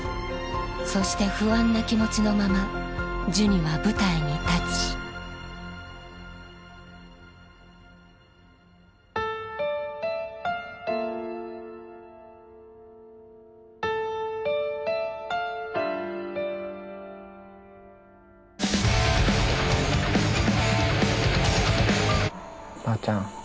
そして不安な気持ちのままジュニは舞台に立ちばあちゃん